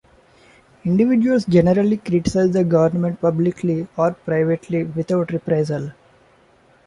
Individuals generally criticize the government publicly or privately without reprisal.